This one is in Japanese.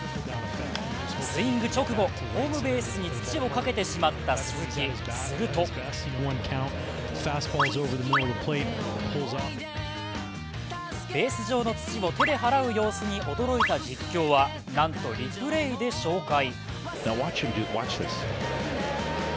スイング直後ホームベースに土をかけてしまった鈴木、するとベース上の土を手ではらう様子に驚いた実況はなんとリプレーで紹介。